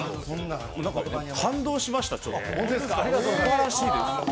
感動しましたすばらしいです。